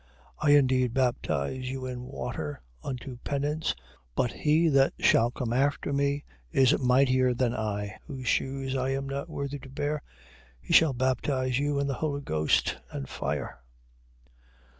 3:11. I indeed baptize you in water unto penance, but he that shall come after me, is mightier than I, whose shoes I am not worthy to bear: he shall baptize you in the Holy Ghost and fire.